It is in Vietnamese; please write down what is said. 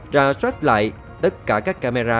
trả soát lại tất cả các camera